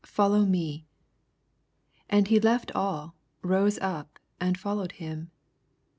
Follow me. 28 And hi left all, rose up, and followed him.